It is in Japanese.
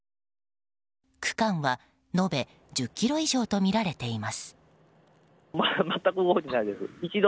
区間は延べ１０ｋｍ以上とみられています。